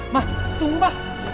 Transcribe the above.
ma tunggu ma